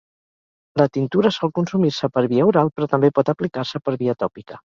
La tintura sol consumir-se per via oral però també pot aplicar-se per via tòpica.